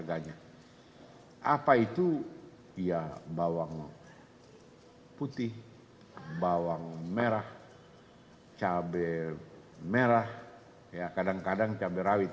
apa itu ya bawang putih bawang merah cabai merah ya kadang kadang cabai rawit